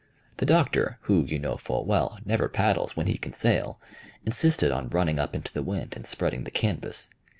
The Doctor, who, you know full well, never paddles when he can sail, insisted on running up into the wind and spreading the canvas.